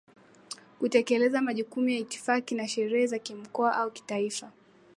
Kutekeleza majukumu ya itifaki na sherehe za Kimkoa au Kitaifa